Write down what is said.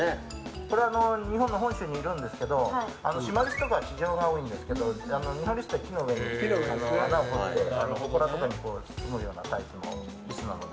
日本の本州にいるんですけどシマリスとかは地上が多いんですけどニホンリスっていうのは木の上に穴を作ってほこらとかにすむようなタイプのリスなので。